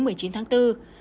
đây được cho là tên lửa và uav